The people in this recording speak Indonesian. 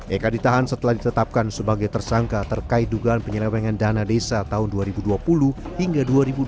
eka ditahan setelah ditetapkan sebagai tersangka terkait dugaan penyelewengan dana desa tahun dua ribu dua puluh hingga dua ribu dua puluh